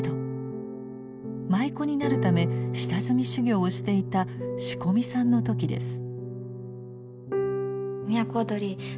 舞妓になるため下積み修業をしていた仕込みさんの時です。